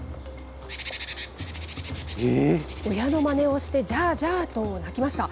親のまねをしてジャージャーと鳴きました。